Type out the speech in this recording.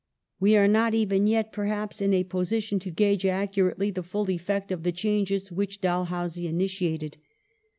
We are not, even yet, perhaps, in a position to gauge accurately the full effect of the changes which Dalhousie initiated.